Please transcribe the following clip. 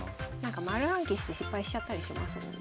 丸暗記して失敗しちゃったりしますもんね。